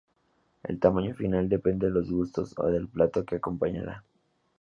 El tamaño final depende de los gustos o del plato que acompañará.